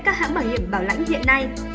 các hãng bảo hiểm bảo lãnh hiện nay